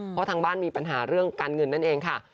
เพราะทางบ้านมีปัญหาเรื่องการเงินนั่นเองค่ะ